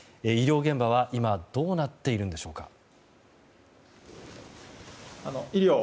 医療現場は今どうなっているんでしょうか。